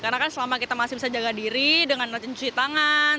karena kan selama kita masih bisa jaga diri dengan racun cuci tangan